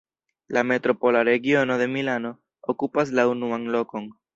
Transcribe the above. La metropola regiono de Milano okupas la unuan lokon.